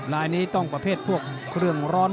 ลายนี้ต้องประเภทพวกเครื่องร้อน